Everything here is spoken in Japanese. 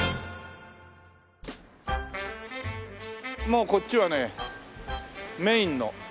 もうこっちはねメインの。